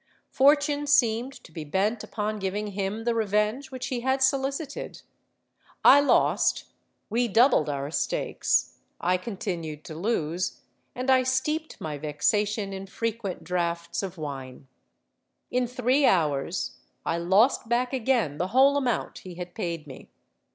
Fortune seemed to be bent upon giving him the revenge which he had solicited. I lost—we doubled our stakes: I continued to lose—and I steeped my vexation in frequent draughts of wine. In three hours I lost back again the whole amount he had paid me.